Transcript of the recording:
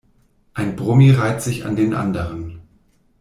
Ein Brummi reiht sich an den anderen.